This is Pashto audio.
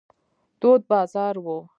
تود بازار و.